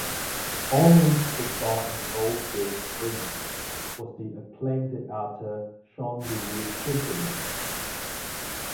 Aulin's co-star in both these films was the acclaimed actor Jean-Louis Trintignant.